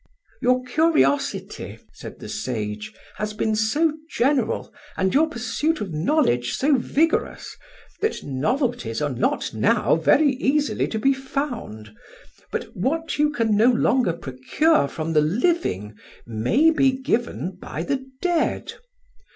"Your curiosity," said the sage, "has been so general, and your pursuit of knowledge so vigorous, that novelties are not now very easily to be found; but what you can no longer procure from the living may be given by the dead.